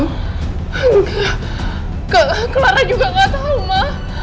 tidak clara juga tidak tahu ma